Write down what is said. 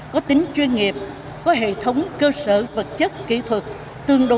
có tính chuyên nghiệp có hệ thống cơ sở vật chất kỹ thuật